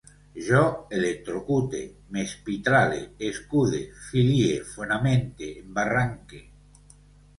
Jo electrocute, m'espitrale, escude, filie, fonamente, embarranque